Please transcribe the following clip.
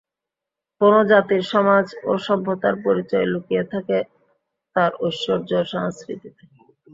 কোনো জাতির সমাজ ও সভ্যতার পরিচয় লুকিয়ে থাকে তার ঐতিহ্য ও সংস্কৃতিতে।